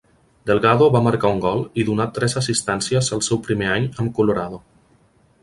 Delgado va marcar un gol i donar tres assistències el seu primer any amb Colorado.